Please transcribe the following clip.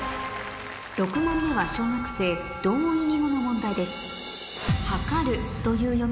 ６問目は小学生同音異義語の問題です